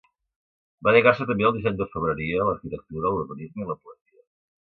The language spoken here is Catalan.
Va dedicar-se també al disseny d'orfebreria, l'arquitectura, l'urbanisme i la poesia.